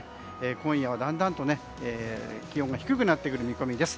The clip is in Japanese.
今夜はだんだんと気温が低くなってくる見込みです。